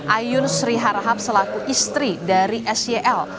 ayun sriharahap selaku istri dari sel